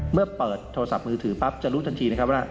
เมื่อเปิดโทรศัพท์มือถือปั๊บจะรู้ทันทีนะครับว่า